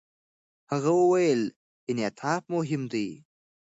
هغه وویل، انعطاف مهم دی.